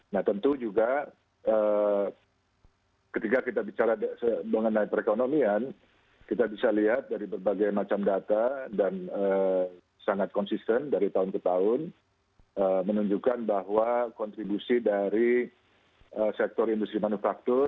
nah tentu juga ketika kita bicara mengenai perekonomian kita bisa lihat dari berbagai macam data dan sangat konsisten dari tahun ke tahun menunjukkan bahwa kontribusi dari sektor industri manufaktur